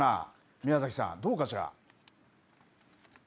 宮崎さん、どうかしら。